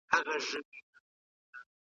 خپل مالونه د خیر په لار کي ولګوئ.